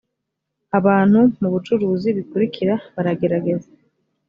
abantu mu bucuruzi bikurikira baragerageza